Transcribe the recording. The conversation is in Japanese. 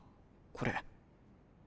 これ。